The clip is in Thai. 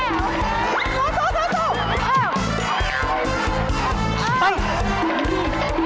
พร้อมครับ